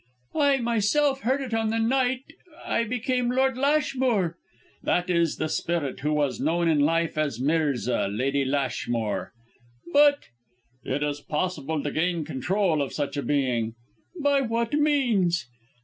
"I, myself, heard it on the night I became Lord Lashmore." "That is the spirit who was known, in life, as Mirza, Lady Lashmore!" "But " "It is possible to gain control of such a being." "By what means?"